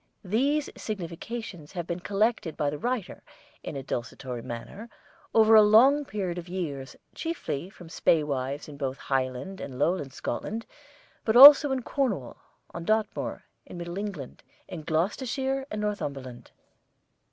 These significations have been collected by the writer in a desultory manner over a long period of years chiefly from spae wives in both Highland and Lowland Scotland, but also in Cornwall, on Dartmoor, in Middle England, in Gloucestershire and Northumberland.